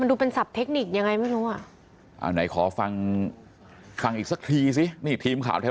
ถ้าลืมกันแบบนี้ไม่ได้นะเพราะว่ามันจะมีปัญหาเลยนะ